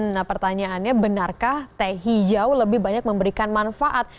nah pertanyaannya benarkah teh hijau lebih banyak memberikan manfaat